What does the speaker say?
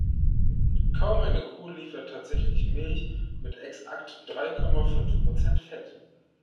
Kaum eine Kuh liefert tatsächlich Milch mit exakt drei Komma fünf Prozent Fett.